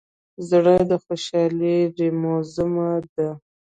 زړه د خوشحالۍ زیمزمه ده.